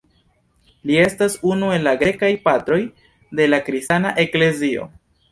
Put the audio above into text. Li estas unu el la Grekaj Patroj de la kristana eklezio.